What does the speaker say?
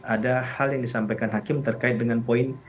ada hal yang disampaikan hakim terkait dengan poin